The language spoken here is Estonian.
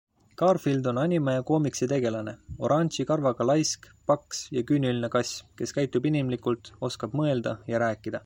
Garfield on anima- ja koomiksitegelane, oranži karvaga laisk, paks ja küüniline kass, kes käitub inimlikult, oskab mõelda ja rääkida.